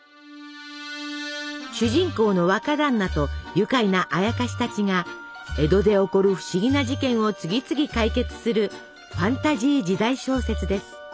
主人公の若だんなと愉快なあやかしたちが江戸で起こる不思議な事件を次々解決するファンタジー時代小説です。